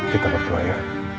kita berdua ya